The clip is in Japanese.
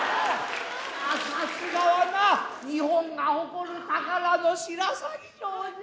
さすがはな日本が誇る宝の白鷺城じゃ。